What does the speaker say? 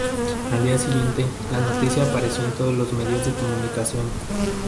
Al día siguiente, la noticia apareció en todos los medios de comunicación.